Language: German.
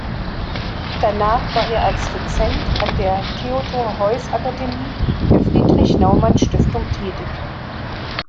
Danach war er als Dozent an der Theodor-Heuss-Akademie der Friedrich-Naumann-Stiftung tätig.